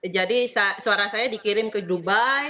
jadi suara saya dikirim ke dubai